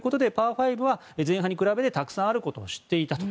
５は前半に比べてたくさんあることを知っていた。